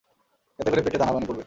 এতে করে পেটে দানাপানি পড়বে।